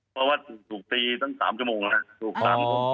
เพราะว่าถูกตีตั้ง๓ชั่วโมงนะครับ